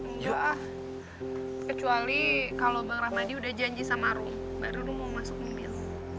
enggak kecuali kalau bang rahmadi udah janji sama room baru dulu mau masuk mobil